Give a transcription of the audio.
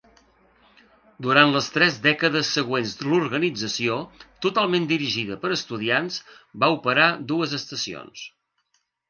Durant les tres dècades següents l'organització, totalment dirigida per estudiants, va operar dues estacions.